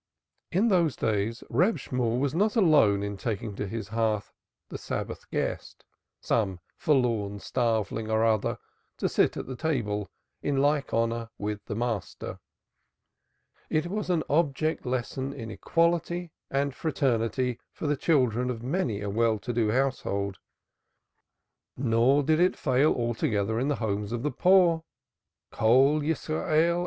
In those days Reb Shemuel was not alone in taking to his hearth "the Sabbath guest" some forlorn starveling or other to sit at the table in like honor with the master. It was an object lesson in equality and fraternity for the children of many a well to do household, nor did it fail altogether in the homes of the poor.